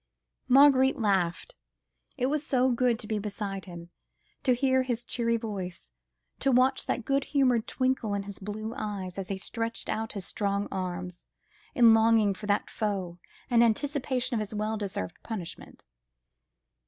Marguerite laughed. It was so good to be beside him, to hear his cheery voice, to watch that good humoured twinkle in his blue eyes, as he stretched out his strong arms, in longing for that foe, and anticipation of his well deserved punishment.